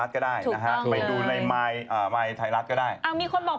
ตัวนี้ไม่ใช่หิ่งห้อยเป็นตัวเล็ก